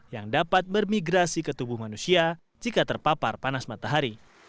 yang dapat bermigrasi ke tubuh manusia jika terpapar panas matahari